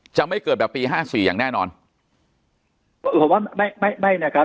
จะไม่เกิดแบบปี๕๔อย่างแน่นอนผมว่าไม่นะครับ